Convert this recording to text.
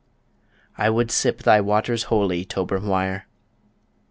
I would sip thy waters holy, Tober Mhuire.